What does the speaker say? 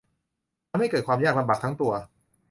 ทำให้เกิดความยากลำบากทั้งตัว